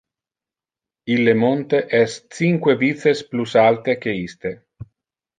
Ille monte es cinque vices plus alte que iste.